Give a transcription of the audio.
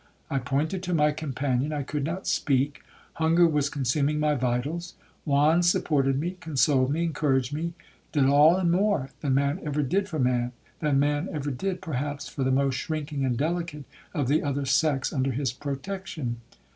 I pointed to my companion, I could not speak,—hunger was consuming my vitals. Juan supported me, consoled me, encouraged me; did all, and more, than man ever did for man,—than man ever did, perhaps, for the most shrinking and delicate of the other sex under his protection.